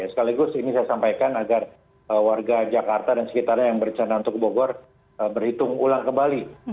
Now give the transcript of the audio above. sekaligus ini saya sampaikan agar warga jakarta dan sekitarnya yang bercanda untuk ke bogor berhitung ulang kembali